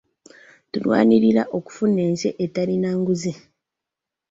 Tulwanirira okufuna ensi etalimu nguzi.